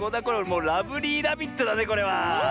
もうラブリーラビットだねこれは。